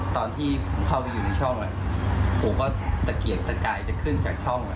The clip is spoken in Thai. ตอนที่พออยู่ในช่องผมก็ตะเกียรตะไกลจะขึ้นจากช่อง